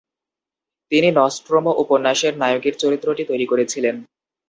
তিনি নস্ট্রোমো উপন্যাসের নায়কের চরিত্রটি তৈরি করেছিলেন।